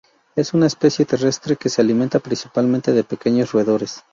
Es una especie terrestre que se alimenta principalmente de pequeños roedores.